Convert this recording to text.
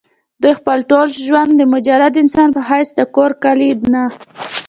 دوي خپل ټول ژوند د مجرد انسان پۀ حېث د کور کلي نه